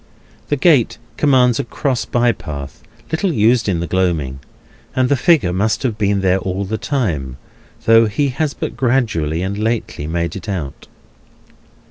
The gate commands a cross bye path, little used in the gloaming; and the figure must have been there all the time, though he has but gradually and lately made it out.